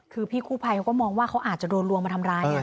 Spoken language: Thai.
คือพี่คู่ภัยเขาก็มองว่าเขาอาจจะโดนลวงมาทำร้าย